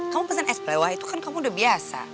kamu pesen es pelewah itu kan kamu udah biasa